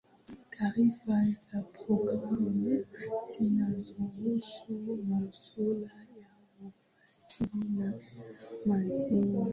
Taarifa za progamu zinazohusu masuala ya umaskini na mazingira